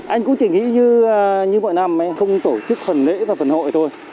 anh cũng chỉ nghĩ như mọi năm anh không tổ chức phần lễ và phần hội thôi